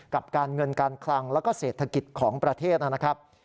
กับการเงินการคลังแล้วก็เศรษฐกิจของประเทศนะครับ